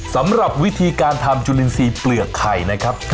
สำหรับวิธีการทำจุลินทรีย์เปลือกไข่นะครับ